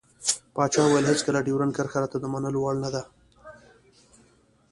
پاچا وويل هېڅکله ډيورند کرښه راته د منلو وړ نه دى.